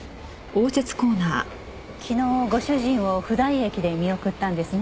昨日ご主人を普代駅で見送ったんですね？